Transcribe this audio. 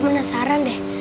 kau menasarand deh